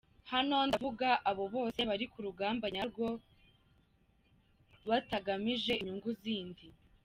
Hano ndavuga abo bose bari kurugamba nyarwo batagamije inyungu zindi.